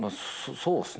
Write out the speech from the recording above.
そうですね。